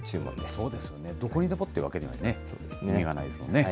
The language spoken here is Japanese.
そうですよね、どこでもっていうわけにはいかないですもんね。